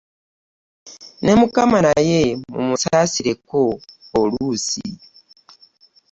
Ne Mukama naye mumusaasireko oluusi.